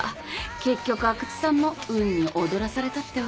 結局阿久津さんも運に踊らされたってわけ。